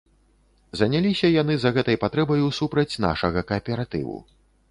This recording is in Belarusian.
Заняліся яны за гэтай патрэбаю супраць нашага кааператыву.